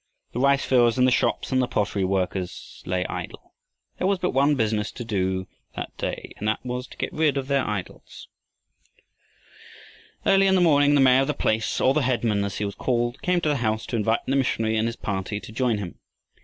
The rice fields and the shops and the pottery works lay idle. There was but one business to do that day, and that was to get rid of their idols. Early in the morning the mayor of the place, or the headman as he was called, came to the house to invite the missionary and his party to join him.